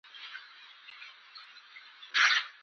احمد چې کله مړ شو، ټوله دنیا یې پردیو کسانو ته پاتې شوله.